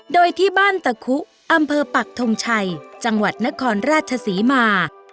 โดยที่บ้านตะคุอำเภอปักทงชัยจังหวัดนครราชศรีมา